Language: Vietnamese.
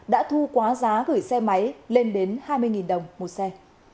đã thu quá giá gửi xe máy lên đến hai mươi đồng một xe